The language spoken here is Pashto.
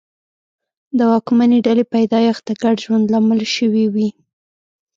د واکمنې ډلې پیدایښت د ګډ ژوند لامل شوي وي.